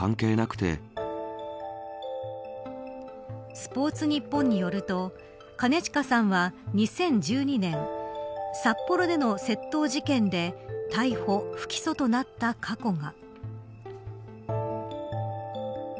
スポーツニッポンによると兼近さんは、２０１２年札幌での窃盗事件で逮捕、不起訴となった過去が。